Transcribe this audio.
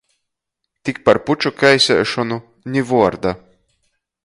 Tik par puču kaiseišonu — ni vuorda.